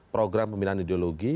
program pembinaan ideologi